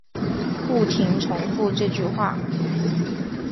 不停重复这句话